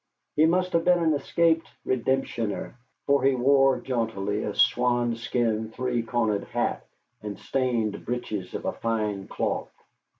He must have been an escaped redemptioner, for he wore jauntily a swanskin three cornered hat and stained breeches of a fine cloth.